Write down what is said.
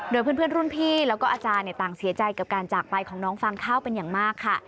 โดยเพื่อนรุ่นพี่แล้วก็อาจารย์ต่างเสียใจกับการจากไปของน้องฟางข้าวเป็นอย่างมากค่ะ